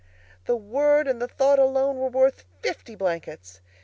The word and the thought alone were worth fifty blankets.